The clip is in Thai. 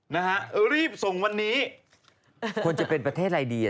ป้าหลังเศษยิงไปเยอะแล้ว